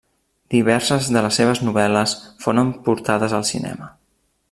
Diverses de les seves novel·les foren portades al cinema.